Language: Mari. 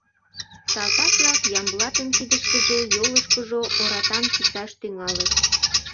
Салтак-влак Ямблатын кидышкыже, йолышкыжо оратам чикташ тӱҥалыт.